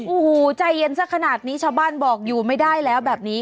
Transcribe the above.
โอ้โหใจเย็นสักขนาดนี้ชาวบ้านบอกอยู่ไม่ได้แล้วแบบนี้